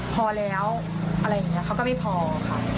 พอแล้วอะไรอย่างนี้เขาก็ไม่พอค่ะ